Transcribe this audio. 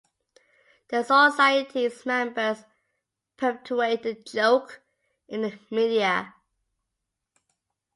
The society's members perpetuate the joke in the media.